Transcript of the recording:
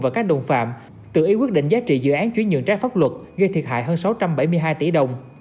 và các đồng phạm tự ý quyết định giá trị dự án chuyển nhượng trái pháp luật gây thiệt hại hơn sáu trăm bảy mươi hai tỷ đồng